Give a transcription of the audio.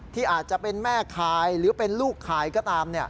ที่อาจจะเป็นแม่คายหรือเป็นลูกคายก็ตาม